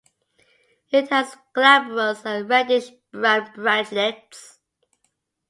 It has glabrous and reddish brown branchlets.